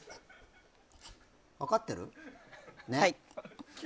分かってる？ね。